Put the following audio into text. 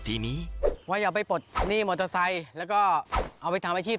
ทีนี้ว่าอย่าไปปลดหนี้มอเตอร์ไซค์แล้วก็เอาไปทำอาชีพ